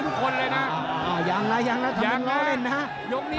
อย่างนี้ยังนะอย่าไปพลาดนะ